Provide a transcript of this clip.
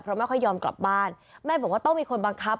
เพราะไม่ค่อยยอมกลับบ้านแม่บอกว่าต้องมีคนบังคับ